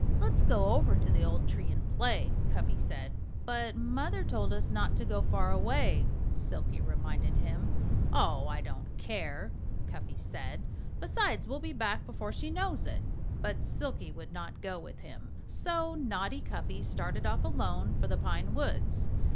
"Let's go over to the old tree and play," Cuffy said. "But Mother told us not to go far away," Silkie reminded him. "Oh! I don't care," Cuffy said. "Besides, we'll be back before she knows it." But Silkie would not go with him. So naughty Cuffy started off alone for the pine woods.